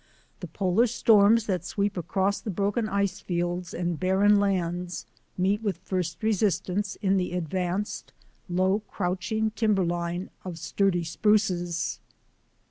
The polar storms that sweep across broken icefields and barren lands meet with first resistance in the advanced, low crouching timberline of sturdy spruces.